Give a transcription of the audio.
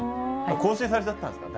更新されちゃったんですか？